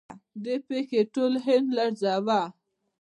دې پیښې ټول هند لړزاوه.